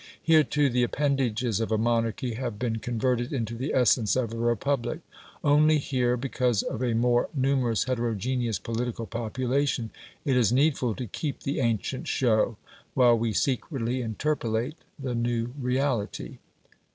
Here, too, the appendages of a monarchy have been converted into the essence of a republic; only here, because of a more numerous heterogeneous political population, it is needful to keep the ancient show while we secretly interpolate the new reality.